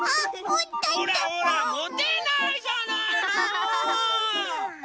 ほらほらもてないじゃないの！